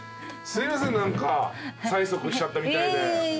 すいません何か催促しちゃったみたいで。